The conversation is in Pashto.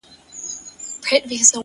که مي د دې وطن له کاڼي هم کالي څنډلي _